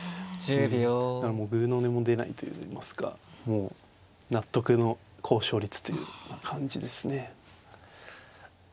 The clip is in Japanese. もうぐうの音も出ないといいますかもう納得の高勝率という感じですね。